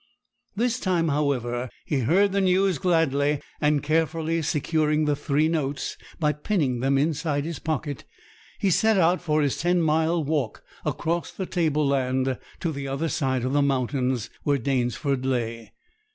This time, however, he heard the news gladly; and, carefully securing the three notes by pinning them inside his pocket, he set out for his ten miles walk across the tableland to the other side of the mountains, where Danesford lay.